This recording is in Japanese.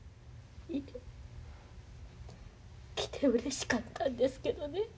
いえ来てうれしかったんですけどね。